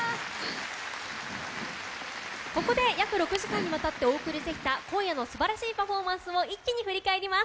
ここで約６時間にわたってお送りしてきた今夜の素晴らしいパフォーマンスを一気に振り返ります。